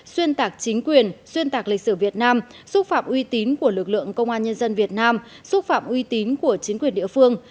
xuyên tạc chính quyền xuyên tạc lịch sử việt nam xúc phạm uy tín của lực lượng công an nhân dân việt nam xúc phạm uy tín của chính quyền địa phương